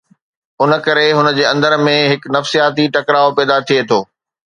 ان ڪري هن جي اندر ۾ هڪ نفسياتي ٽڪراءُ پيدا ٿئي ٿو.